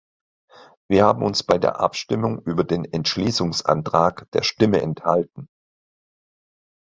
Wir haben uns bei der Abstimmung über den Entschließungsantrag der Stimme enthalten.